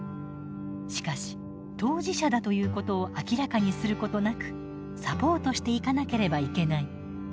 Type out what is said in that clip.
しかし当事者だということを明らかにすることなくサポートしていかなければいけない。